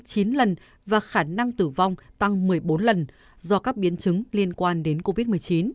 các bệnh nhân covid một mươi chín có khả năng tử vong tăng chín lần và khả năng tử vong tăng một mươi bốn lần do các biến chứng liên quan đến covid một mươi chín